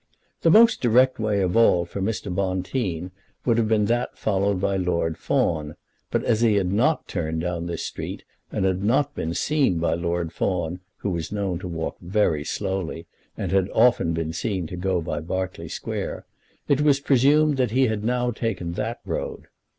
The most direct way of all for Mr. Bonteen would have been that followed by Lord Fawn; but as he had not turned down this street, and had not been seen by Lord Fawn, who was known to walk very slowly, and had often been seen to go by Berkeley Square, it was presumed that he had now taken that road.